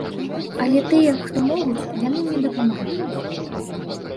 Але тыя, хто могуць, яны мне дапамагаюць.